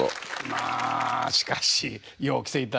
まあしかしよう来ていただきました。